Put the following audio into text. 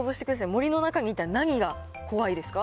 森の中にいたら何が怖いですか？